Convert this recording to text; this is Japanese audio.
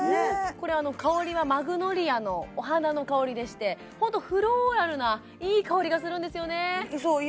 これ香りはマグノリアのお花の香りでしてホントフローラルないい香りがするんですよね